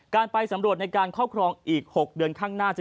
การไปสำรวจในการครอบครองอีก๖เดือนข้างหน้า